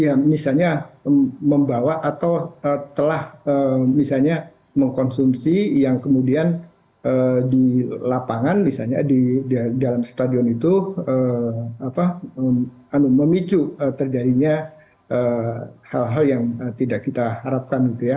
yang misalnya membawa atau telah misalnya mengkonsumsi yang kemudian di lapangan misalnya di dalam stadion itu memicu terjadinya hal hal yang tidak kita harapkan gitu ya